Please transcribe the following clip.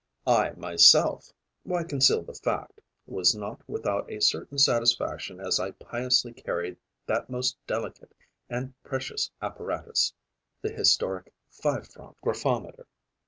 I myself why conceal the fact? was not without a certain satisfaction as I piously carried that most delicate and precious apparatus, the historic five franc graphometer.